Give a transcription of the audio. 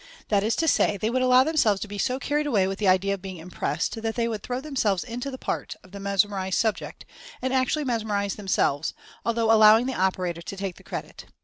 That is to say, they would allow themselves to be so carried away with the idea of being impressed that they would "throw themselves into the part" of the mesmerized subject, and actually mesmerize themselves, although allowing the operator to take the credit.